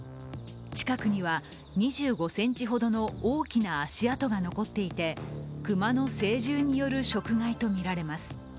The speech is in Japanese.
近くには２５ｃｍほどの大きな足跡が残っていて熊の成獣による食害とみられます。